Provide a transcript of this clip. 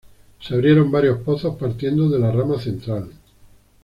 Se abrieron varios pozos partiendo de la rama central.